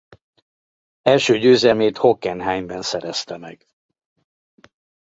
Első győzelmét Hockenheimben szerezte meg.